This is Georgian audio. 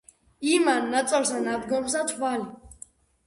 იმათ ნაწოლსა ნადგომსა თვალი